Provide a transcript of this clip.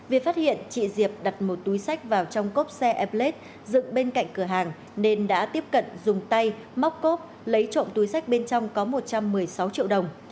vì phát hiện chị diệp đặt một túi sách vào trong cốp xe airblade dựng bên cạnh cửa hàng nên đã tiếp cận dùng tay móc cốp lấy trộm túi sách bên trong có một trăm một mươi sáu triệu đồng